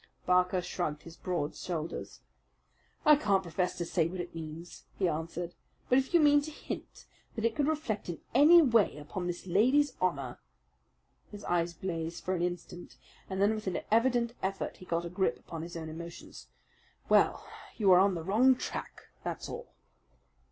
Barker shrugged his broad shoulders. "I can't profess to say what it means," he answered. "But if you mean to hint that it could reflect in any way upon this lady's honour" his eyes blazed for an instant, and then with an evident effort he got a grip upon his own emotions "well, you are on the wrong track, that's all."